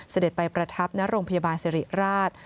เสด็จไปประทับณโรงพยาบาลสิริราช